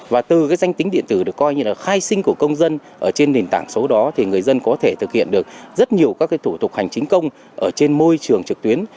và từ danh tính điện tử được coi như là khai sinh của công dân trên nền tảng số đó thì người dân có thể thực hiện được rất nhiều các thủ tục hành chính công ở trên môi trường trực tuyến